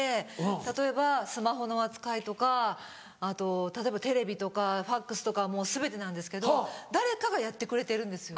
例えばスマホの扱いとかあと例えばテレビとかＦＡＸとか全てなんですけど誰かがやってくれてるんですよ。